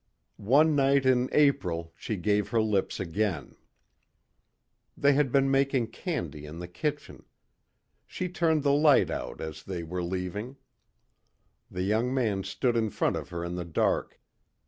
One night in April she gave her lips again. They had been making candy in the kitchen. She turned the light out as they were leaving. The young man stood in front of her in the dark.